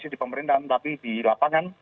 di pemerintahan tapi di lapangan